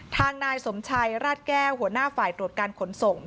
ทางนายสมชัยราชแก้วหัวหน้าฝ่ายตรวจการขนส่ง